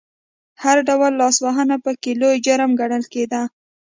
هر ډول لاسوهنه پکې لوی جرم ګڼل کېده.